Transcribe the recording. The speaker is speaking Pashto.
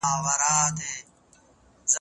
ورور وژنه د ملت د ویش لامل ګرځي.